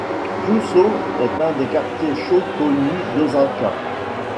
Jūsō est un des quartiers chauds connus d'Osaka.